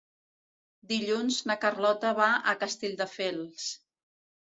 Dilluns na Carlota va a Castelldefels.